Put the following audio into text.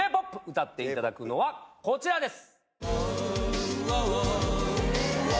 歌っていただくのはこちらです。